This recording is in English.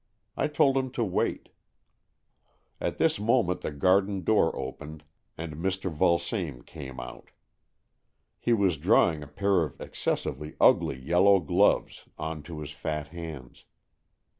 I told him to wait. At this moment the garden door opened, and Mr. Vulsame came out. He was drawing a pair of excessively ugly yellow gloves on to his fat hands.